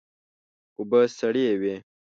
اوبه سړې وې.